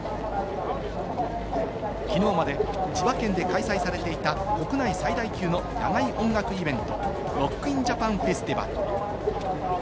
きのうまで千葉県で開催されていた国内最大級の野外音楽イベント、ＲＯＣＫＩＮＪＡＰＡＮＦＥＳＴＩＶＡＬ。